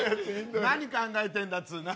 何考えてんだっつうな。